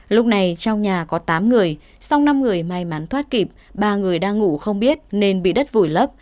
lúc này trong nhà có tám người sau năm người may mắn thoát kịp ba người đang ngủ không biết nên bị đất vùi lấp